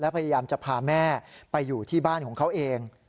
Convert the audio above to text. พยายามจะพาแม่ไปอยู่ที่บ้านของเขาเอง